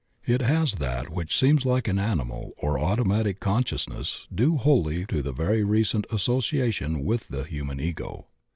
It has that which seems like an animal or automatic con sciousness due wholly to the very recent association with the human Ego.